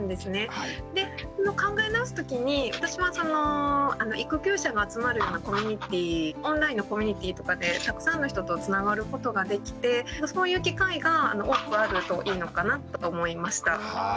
考え直す時に私はその育休者が集まるようなオンラインのコミュニティーとかでたくさんの人とつながることができてそういう機会が多くあるといいのかなって思いました。